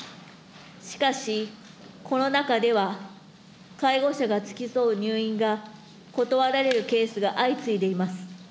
しかし、コロナ禍では介護者が付き添う入院が断られるケースが相次いでいます。